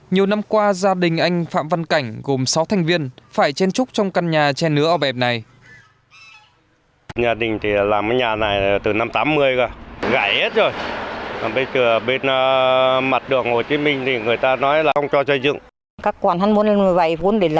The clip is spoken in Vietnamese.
nhiều năm qua gia đình anh phạm văn cảnh gồm sáu thành viên phải chen trúc trong căn nhà che nứa oẹp này